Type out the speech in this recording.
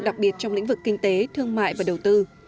đặc biệt trong lĩnh vực kinh tế thương mại và đầu tư